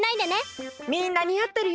みんなにあってるよ。